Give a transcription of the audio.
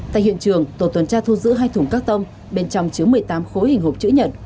tại hiện trường tổ tuần tra thu giữ hai thùng các tông bên trong chứa một mươi tám khối hình hộp chữ nhật